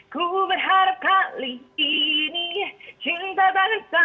ku berharap kali ini cinta dengan salah